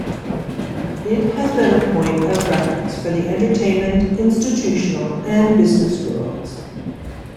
It has been a point of reference for the entertainment, institutional and business worlds.